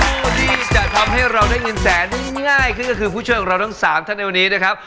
ผู้ที่จะทำให้เราได้เงินแสนง่ายขึ้นก็คือผู้ช่วยของเราทั้ง๓ท่านในวันนี้นะครับ